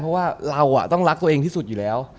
เพราะว่าเราต้องรักตัวเองที่สุดอยู่แล้ว